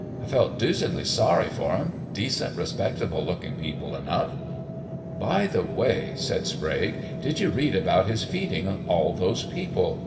I felt deucedly sorry for 'em decent, respectable looking people enough." "By the way," said Sprague, "did you read about His feeding all those people?"